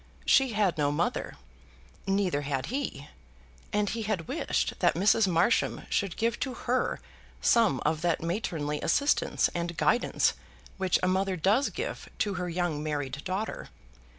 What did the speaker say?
She had no mother; neither had he; and he had wished that Mrs. Marsham should give to her some of that matronly assistance and guidance which a mother does give to her young married daughter.